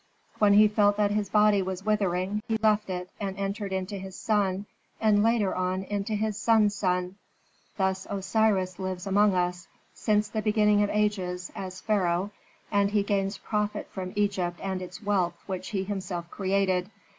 When he felt that his body was withering, he left it and entered into his son, and later on into his son's son. "Thus Osiris lives among us, since the beginning of ages, as pharaoh, and he gains profit from Egypt and its wealth which he himself created.